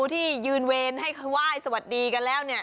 ที่ยืนเวนให้ไหว้สวัสดีกันแล้ว